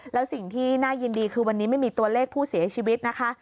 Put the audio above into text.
แล้วสิ่งที่น่ายินดีคือวันนี้ไม่มีตัวเลขผู้เสียชีวิตนะคะ